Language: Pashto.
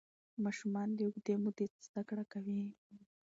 ماشومان له اوږدې مودې زده کړه کوي.